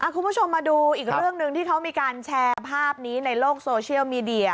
คุณผู้ชมมาดูอีกเรื่องหนึ่งที่เขามีการแชร์ภาพนี้ในโลกโซเชียลมีเดีย